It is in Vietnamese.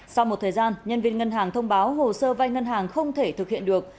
sau một thời gian nhân viên ngân hàng thông báo hồ sơ vai ngân hàng không thể thực hiện được